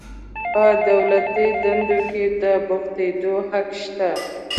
په دولتي دندو کې د بوختیدو حق شته.